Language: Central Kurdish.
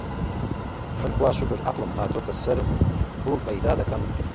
من خوا شوکور عەقڵم هاتۆتە سەرم و پووڵ پەیدا دەکەم